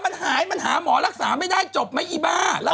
มันหายมันหาหมอรักษาไม่ได้จบไหมอีบ้า